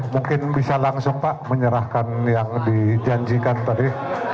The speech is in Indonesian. mungkin bisa langsung pak menyerahkan yang dijanjikan tadi